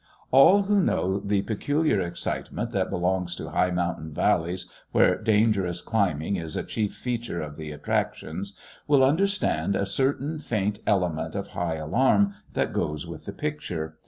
All who know the peculiar excitement that belongs to high mountain valleys where dangerous climbing is a chief feature of the attractions, will understand a certain faint element of high alarm that goes with the picture.